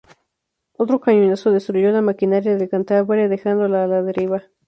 Otro cañonazo destruyó la maquinaria del "Cantabria", dejándole a la deriva.